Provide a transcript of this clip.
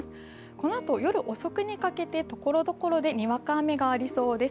このあと夜遅くにかけてところどころでにわか雨がありそうです。